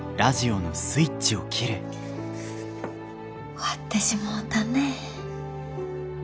終わってしもうたねえ。